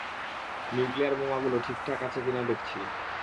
Nuclear বোমাগুলো ঠিকঠাক আছে কিনা দেখছি।